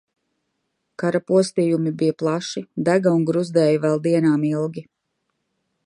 Kara postījumi bija plaši, dega un gruzdēja vēl dienām ilgi.